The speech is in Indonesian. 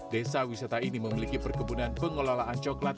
desa wisata ini memiliki perkebunan pengelolaan coklat